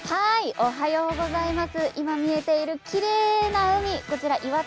おはようございます。